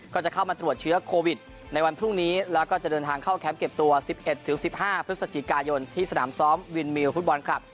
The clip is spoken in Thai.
ก็จะเข้ามาตรวจเชื้อโควิดในวันพรุ่งนี้แล้วก็จะเดินทางเข้าแคมป์เก็บตัว๑๑๑๕พฤศจิกายนที่สนามซ้อมวินมิวฟุตบอลคลับ